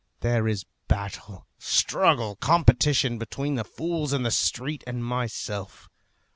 There is battle, struggle, competition between the fools in the street and myself.